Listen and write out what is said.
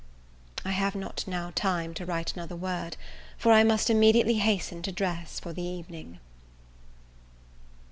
I have not now time to write another word, for I must immediately hasten to dress for the evening.